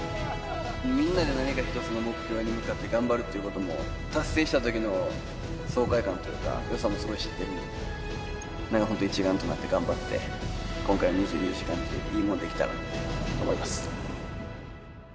みんなで何か一つの目標に向かって頑張るっていうことも、達成したときの爽快感というか、よさもすごい知ってますので、なんか本当、一丸となって頑張って、今回の２４時間テレビ、いいものにできたなと。